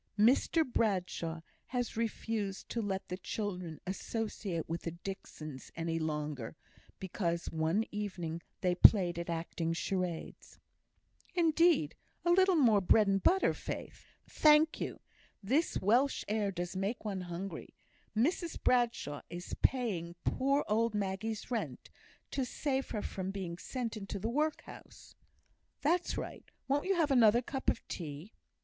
"Mr Bradshaw has refused to let the children associate with the Dixons any longer, because one evening they played at acting charades." "Indeed; a little more bread and butter, Faith?" "Thank you. This Welsh air does make one hungry. Mrs Bradshaw is paying poor old Maggie's rent, to save her from being sent into the workhouse." "That's right. Won't you have another cup of tea?"